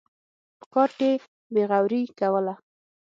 په کار کې بېغوري کوله.